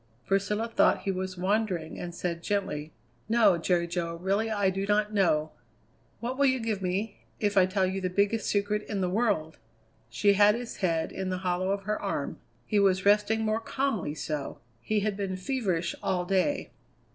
Priscilla thought he was wandering, and said gently: "No, Jerry Jo, really I do not know." "What will you give me if I tell you the biggest secret in the world?" She had his head in the hollow of her arm; he was resting more calmly so. He had been feverish all day.